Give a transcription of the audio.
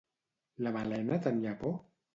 La Malena tenia por?